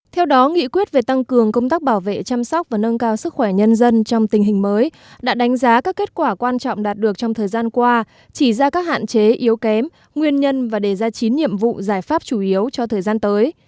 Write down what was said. theo đó nghị quyết về tăng cường công tác bảo vệ chăm sóc và nâng cao sức khỏe nhân dân trong tình hình mới đã đánh giá các kết quả quan trọng đạt được trong thời gian qua chỉ ra các hạn chế yếu kém nguyên nhân và đề ra chín nhiệm vụ giải pháp chủ yếu cho thời gian tới